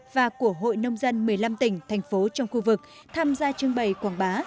và của hội nông dân một mươi năm tỉnh thành phố trong khu vực tham gia trưng bày quảng bá